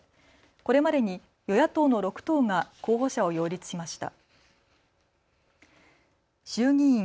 これまでに与野党の６党が候補者を擁立しました。